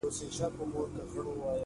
تر ما نامي استاد نشته.